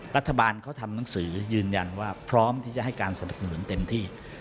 รัฐบาลเขาทำหนังสือยืนยันว่าพร้อมที่จะให้การสนับสนุนเต็มที่